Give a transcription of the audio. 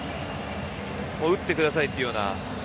打ってくださいというような。